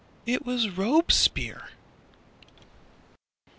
... It was Robespierre!